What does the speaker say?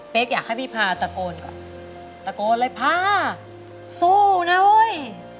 อยากให้พี่พาตะโกนก่อนตะโกนเลยพาสู้นะเว้ย